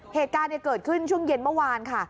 เหตุการณ์เกิดขึ้นช่วงเย็นเมื่อวานค่ะ